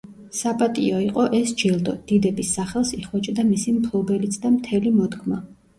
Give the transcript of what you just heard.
საპატიო იყო ეს ჯილდო, დიდების სახელს იხვეჭდა მისი მფლობელიც და მთელი მოდგმა.